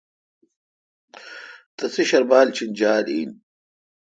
تسے شربال چینجال این۔